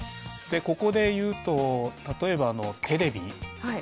ここでいうと例えばテレビ。